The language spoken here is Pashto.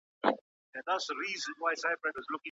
هارمونیه افغاني آله نه ده.